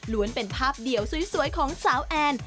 เป็นภาพเดี่ยวสวยของสาวแอน